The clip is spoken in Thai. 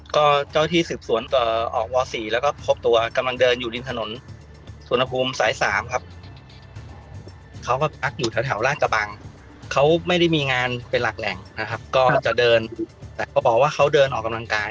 ก็เจ้าที่สืบสวนต่อออกม๔แล้วก็พบตัวกำลังเดินอยู่ริมถนนสวนภูมิสาย๓ครับเขาก็พักอยู่แถวราชกระบังเขาไม่ได้มีงานเป็นหลักแหล่งนะครับก็จะเดินแต่เขาบอกว่าเขาเดินออกกำลังกาย